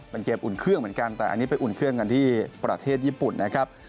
เป็นเกมอุ่นเครื่องเหมือนกันแต่อันนี้ไปอุ่นเครื่องกันที่ประเทศญี่ปุ่นนะครับ